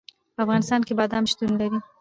په افغانستان کې بادام شتون لري.